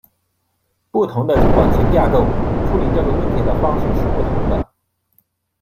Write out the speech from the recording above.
不同的缓存架构处理这个问题的方式是不同的。